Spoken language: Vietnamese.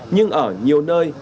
nhưng ở nhiều nơi